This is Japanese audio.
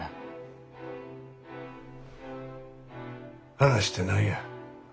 話って何や。